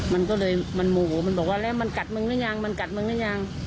มันก็เลยมันโมโหมันบอกว่าแล้วมันกัดมึงหรือยังมันกัดมึงหรือยัง